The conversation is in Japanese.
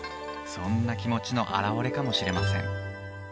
そんな気持ちの表れかもしれません